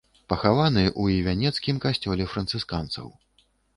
Пахаваны ў івянецкім касцёле францысканцаў.